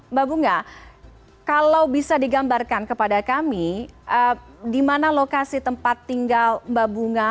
mbak bunga kalau bisa digambarkan kepada kami di mana lokasi tempat tinggal mbak bunga